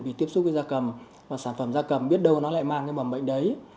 vì tiếp xúc với da cầm và sản phẩm da cầm biết đâu nó lại mang cái mầm bệnh đấy